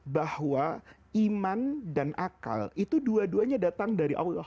bahwa iman dan akal itu dua duanya datang dari allah